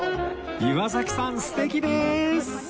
岩崎さん素敵です！